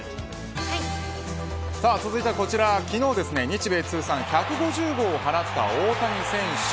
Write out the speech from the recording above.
続いてはこちら昨日、日米通算１５０号を放った大谷選手。